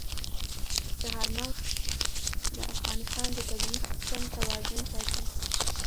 چار مغز د افغانستان د طبعي سیسټم توازن ساتي.